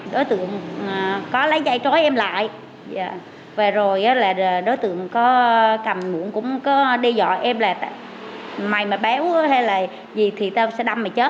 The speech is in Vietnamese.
đối tượng có dái trói em lại và đối tượng cầm muỗng cũng có đe dọa em lại mày mà bái u hay gì thì tao sẽ đâm mày chết